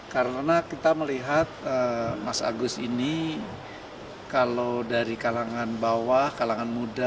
karena kita melihat mas agus ini kalau dari kalangan bawah kalangan muda